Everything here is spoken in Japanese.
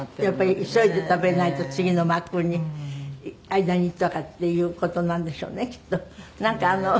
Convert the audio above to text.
やっぱり急いで食べないと次の幕に間にとかっていう事なんでしょうねきっと。